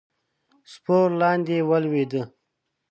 سپور لاندې ولوېد.